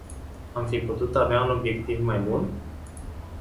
Am fi putut avea un obiectiv mai bun?